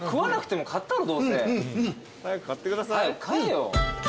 早く買えよ。